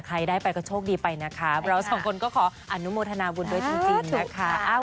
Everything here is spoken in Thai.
ใครได้ไปก็โชคดีไปนะคะเราสองคนก็ขออนุโมทนาบุญด้วยจริงนะคะ